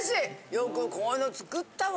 よくこういうの作ったわ。